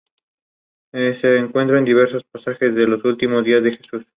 Se recuerdan diversos pasajes de los últimos días de Jesús.